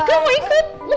eh mau ikut